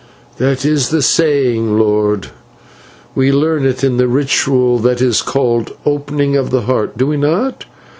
"That is the saying, lord. We learn it in the ritual that is called 'Opening of the Heart,' do we not?